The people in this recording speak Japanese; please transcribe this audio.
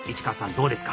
どうですか？